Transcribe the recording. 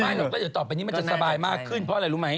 หรอกก็เดี๋ยวต่อไปนี้มันจะสบายมากขึ้นเพราะอะไรรู้ไหม